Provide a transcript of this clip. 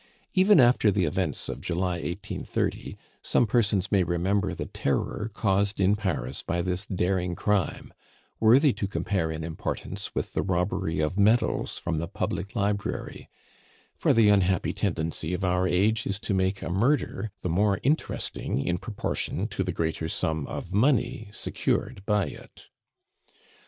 Even after the events of July 1830, some persons may remember the terror caused in Paris by this daring crime, worthy to compare in importance with the robbery of medals from the Public Library; for the unhappy tendency of our age is to make a murder the more interesting in proportion to the greater sum of money secured by it.